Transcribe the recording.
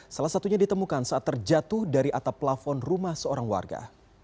salah satunya ditemukan saat terjatuh dari atap plafon rumah seorang warga